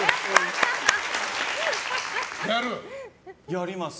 やります。